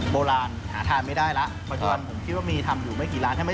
กลิ่นคั่วของกระทะ